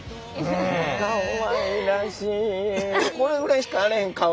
これぐらいしかあれへん顔。